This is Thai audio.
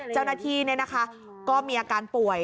เจ้าหน้าที่เนี่ยนะคะก็มีอาการป่วย